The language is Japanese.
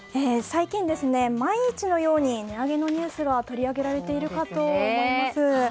最近、毎日のように値上げのニュースが取り上げられているかと思います。